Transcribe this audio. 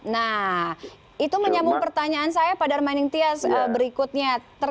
nah itu menyambung pertanyaan saya pak darmaning tias berikutnya